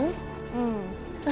うん。